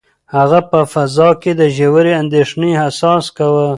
هغه په فضا کې د ژورې اندېښنې احساس کاوه.